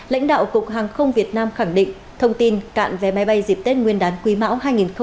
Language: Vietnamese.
lãnh đạo cục hàng không việt nam khẳng định thông tin cạn vé máy bay dịp tết nguyên đán quý mão hai nghìn hai mươi bốn